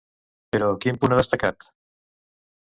Però, quin punt ha destacat?